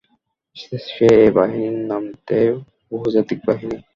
সে এ বাহিনীর নাম দেয় বহুজাতিক বাহিনী।